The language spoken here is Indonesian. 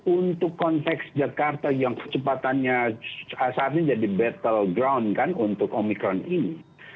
untuk konteks jakarta yang kecepatannya saat ini jadi battle ground kan untuk omikron ini